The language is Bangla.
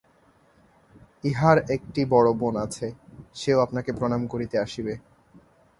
ইঁহার একটি বড়ো বোন আছে, সেও আপনাকে প্রণাম করিতে আসিবে।